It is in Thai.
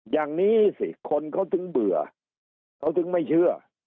อย่างนี้สิคนเขาถึงเบื่อเขาถึงไม่เชื่อ